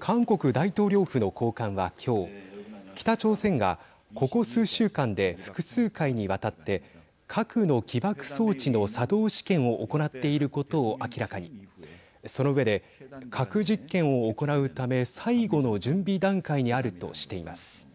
韓国大統領府の高官は、きょう北朝鮮がここ数週間で複数回にわたって核の起爆装置の作動試験を行っていることを明らかにその上で核実験を行うため最後の準備段階にあるとしています。